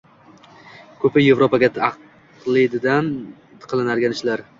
Ko‘pi Yevropaga taqlidan qilinadigan ishlar.